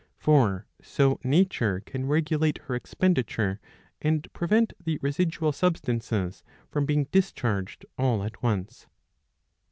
For so nature can regulate her expenditure and prevent the residual substances from being discharged all at once.